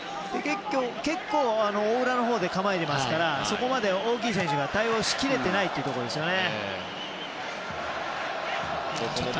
結構、大裏のほうで構えていますからそこまで大きな選手が対応しきれてないというところですよね。